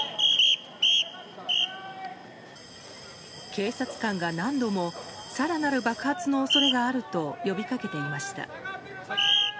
警察官が何度も更なる爆発の恐れがあると呼びかけていました。